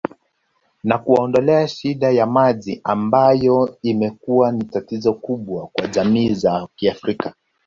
Na kuwaondolea shida ya maji ambayo imekuwa ni tatizo kubwa kwa jamii za kiafrika